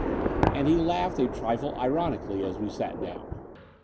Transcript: And he laughed a trifle ironically as we sat down.